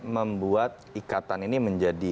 membuat ikatan ini menjadi